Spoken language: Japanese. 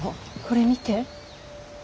これ見て。